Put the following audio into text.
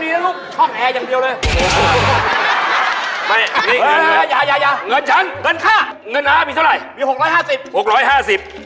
มีความรู้สึกว่า